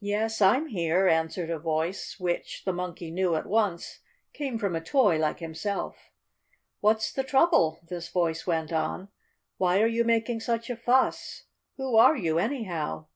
"Yes, I'm here," answered a voice which, the Monkey knew at once, came from a toy like himself. "What's the trouble?" this voice went on. "Why are you making such a fuss? Who are you, anyhow?"